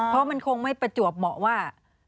เพราะมันคงไม่ประจวบเหมาะว่า